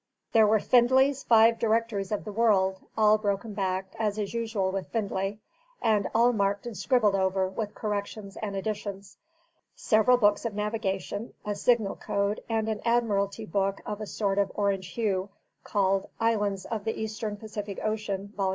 There were Findlay's five directories of the world all broken backed, as is usual with Findlay, and all marked and scribbled over with corrections and additions several books of navigation, a signal code, and an Admiralty book of a sort of orange hue, called _Islands of the Eastern Pacific Ocean, Vol.